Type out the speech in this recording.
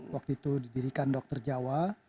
waktu itu didirikan dokter jawa